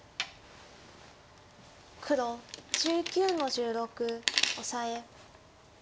黒１９の十六オサエ。